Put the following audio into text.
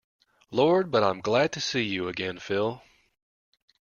Lord, but I'm glad to see you again, Phil.